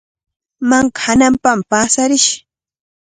Manka hananpami paasarish.